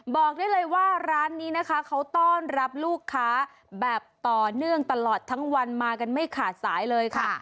บอกได้เลยว่าร้านนี้นะคะเขาต้อนรับลูกค้าแบบต่อเนื่องตลอดทั้งวันมากันไม่ขาดสายเลยค่ะ